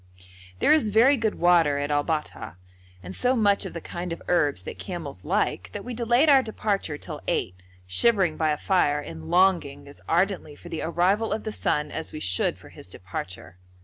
There is very good water at Al Bat'ha, and so much of the kind of herbs that camels like that we delayed our departure till eight, shivering by a fire and longing as ardently for the arrival of the sun as we should for his departure.